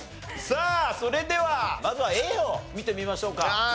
さあそれではまずはＡを見てみましょうか。